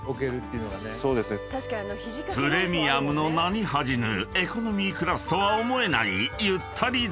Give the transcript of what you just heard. ［プレミアムの名に恥じぬエコノミークラスとは思えない］